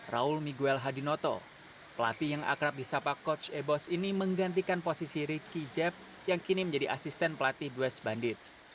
raul miguel handinoto pelatih yang akrab di sapa coach eboz ini menggantikan posisi ricky jeb yang kini menjadi asisten pelatih west bandit